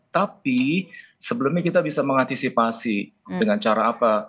tapi sebelumnya kita bisa mengantisipasi dengan cara apa